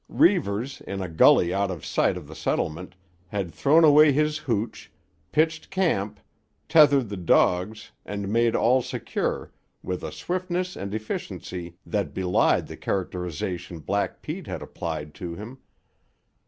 Reivers, in a gully out of sight of the settlement, had thrown away his hooch, pitched camp, tethered the dogs and made all secure with a swiftness and efficiency that belied the characterisation Black Pete had applied to him.